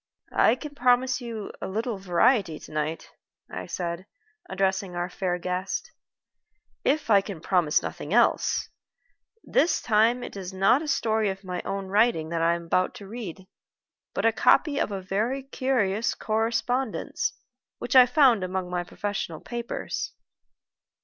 "I can promise you a little variety to night," I said, addressing our fair guest, "if I can promise nothing else. This time it is not a story of my own writing that I am about to read, but a copy of a very curious correspondence which I found among my professional papers."